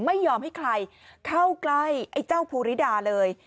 ไม่ยอมให้ใครเข้าใกล้ไอ้เจ้าภูริดาเลย